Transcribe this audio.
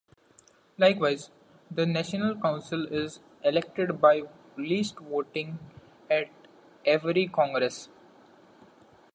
Likewise, the national council is elected by list voting at every congress.